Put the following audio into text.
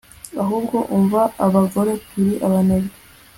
ahubwo, umva ko abagore turi abanebwe